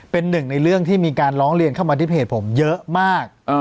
เป็นหนึ่งในเรื่องที่มีการร้องเรียนเข้ามาที่เพจผมเยอะมาก